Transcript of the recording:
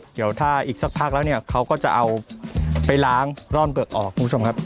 เดี๋ยวถ้าอีกสักพักแล้วเนี่ยเขาก็จะเอาไปล้างร่อนเปลือกออกคุณผู้ชมครับ